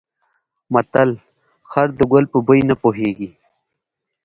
متل: خر د ګل په بوی نه پوهېږي.